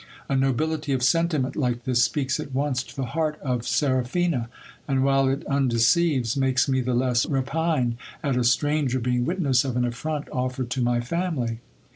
A nobility of sentiment like this speaks at once to the heart of Seraphina : and while it undeceives, makes me the less repine at a stranger being witness of an affront offered to my family.